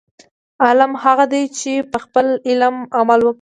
عالم هغه دی، چې په خپل علم عمل وکړي.